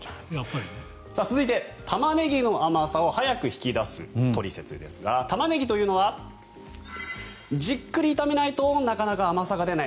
続いて、タマネギの甘さを早く取り出すトリセツですがタマネギというのはじっくり炒めないとなかなか甘さが出ない。